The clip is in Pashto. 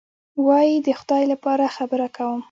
وایي: د خدای لپاره خبره کوم.